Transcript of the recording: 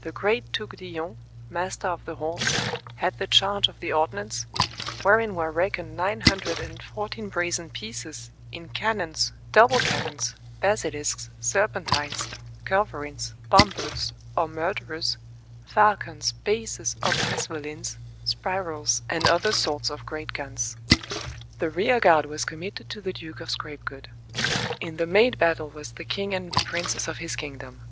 The great Touquedillon, master of the horse, had the charge of the ordnance, wherein were reckoned nine hundred and fourteen brazen pieces, in cannons, double cannons, basilisks, serpentines, culverins, bombards or murderers, falcons, bases or passevolins, spirols, and other sorts of great guns. The rearguard was committed to the Duke of Scrapegood. In the main battle was the king and the princes of his kingdom.